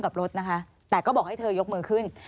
กับรถนะคะแต่ก็บอกให้เธอยกมือขึ้น